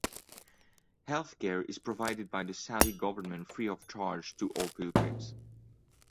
Health care is provided by the Saudi government free of charge to all pilgrims.